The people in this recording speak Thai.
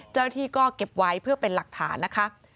เจ้าหน้าที่ก็เก็บไว้เพื่อเป็นหลักฐานนะคะ